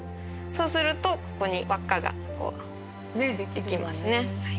そうするとここに輪っかができますね。